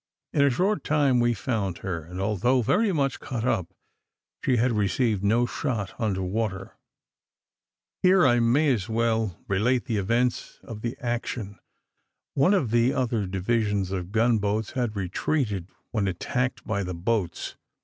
In a short time we found her, and, although very much cut up, she had received no shot under water. Here I may as well relate the events of the action. One of the other divisions of gun boats had retreated when attacked by the boats.